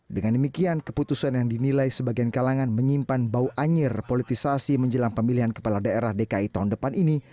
dengan demikian keputusan yang dinilai sebagian kalangan menyimpan bau anjir politisasi menjelang pemilihan kepala daerah dki tahun depan ini